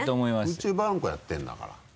空中ブランコやってるんだから。